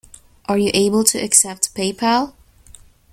Are you able to accept Paypal?